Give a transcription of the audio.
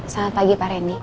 selamat pagi pak rendy